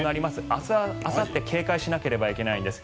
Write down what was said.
明日あさって警戒しなければいけないんです。